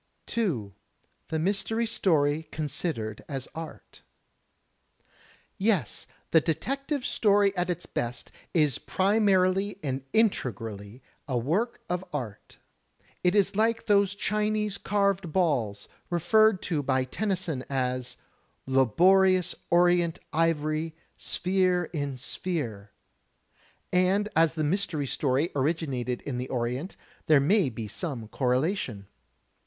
2. The Mystery Story Considered as Art Yes, the detective story at its best is primarily and inte grally a work of art. It is like those Chinese carved balls, referred to by Tennyson as, "Laborious orient ivory, sphere in sphere," and as the mystery story originated in the Orient, there may be some correlation.